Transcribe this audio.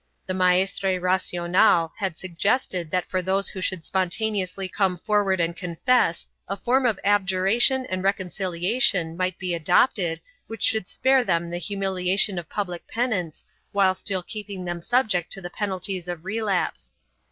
2 The Maestre Racional had suggested that for those who should spontaneously come for ward and confess a form of abjuration and reconciliation might be adopted which should spare them the humiliation of public penance while still keeping them subject to the penalties of relapse.